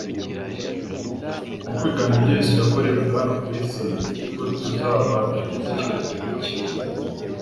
Mu kwigana ibyo Yesu yakoreraga hano ku isi, nibwo tuzaba tugeze ikirenge mu cye.